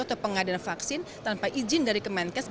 atau pengadaan vaksin tanpa izin dari kemenkes